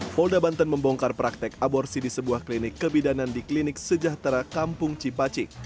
polda banten membongkar praktek aborsi di sebuah klinik kebidanan di klinik sejahtera kampung cipacik